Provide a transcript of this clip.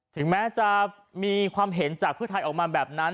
ถึงแม้จะมีความเห็นจากเพื่อไทยออกมาแบบนั้น